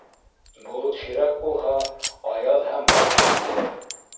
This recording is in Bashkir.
Болот һирәк булһа, аяҙ һәм һалҡын булыр.